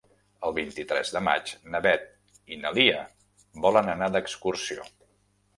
El vint-i-tres de maig na Beth i na Lia volen anar d'excursió.